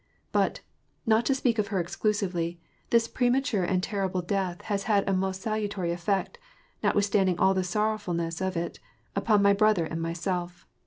But, not to speak of her exclusively, this premature and terrible death has had a most salutary effect, notwithstanding all the sorrowfulness of it, upon my brother and myself.